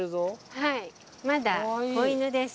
はいまだ子犬です。